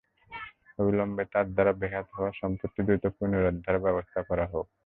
অবিলম্বে তাঁর দ্বারা বেহাত হওয়া সম্পত্তি দ্রুত পুনরুদ্ধারের ব্যবস্থা করা হোক।